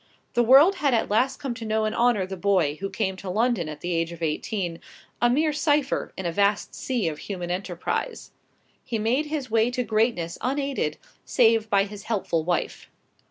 The world had at last come to know and honor the boy who came to London at the age of eighteen, "a mere cipher in a vast sea of human enterprise." He made his way to greatness unaided, save by his helpful wife.